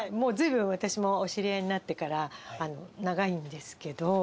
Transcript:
ずいぶん私もお知り合いになってから長いんですけど。